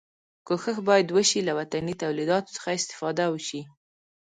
کوښښ باید وشي له وطني تولیداتو څخه استفاده وشي.